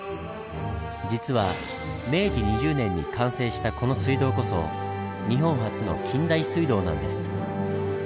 実は明治２０年に完成したこの水道こそ日本初の近代水道なんです。